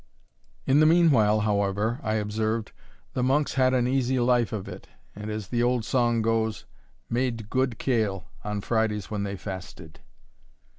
"In the meanwhile, however," I observed, "the monks had an easy life of it, and, as the old song goes, made gude kale On Fridays when they fasted."